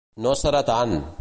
No serà tant!